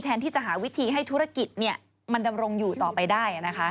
ที่จะหาวิธีให้ธุรกิจมันดำรงอยู่ต่อไปได้